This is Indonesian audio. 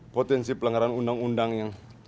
potensi pelanggaran undang undang yang